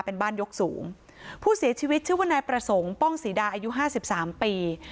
เป็นบ้านยกสูงผู้เสียชีวิตชื่อว่านายประสงค์ป้องศรีดาอายุห้าสิบสามปี